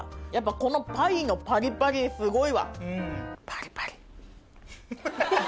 このパイのパリパリすごいわ。